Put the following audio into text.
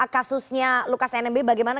kasusnya lukas tnmb bagaimana